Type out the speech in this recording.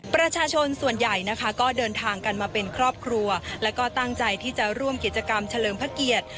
ประชาชนส่วนใหญ่นะคะก็เดินทางกันมาเป็นครอบครัวแล้วก็ตั้งใจที่จะร่วมกิจกรรมเฉลิมพระเกียรติ